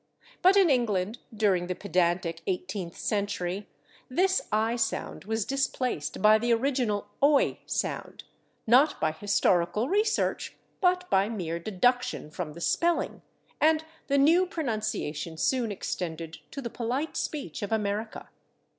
But in England, during the pedantic eighteenth century, this /i/ sound was displaced by the original /oi/ sound, not by historical research but by mere deduction from the spelling, and the new pronunciation soon extended to the polite speech of America.